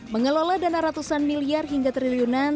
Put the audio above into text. mengelola dana ratusan miliar hingga triliunan